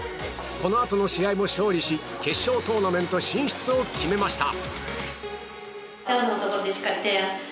この後の試合も勝利し決勝トーナメント進出を決めました。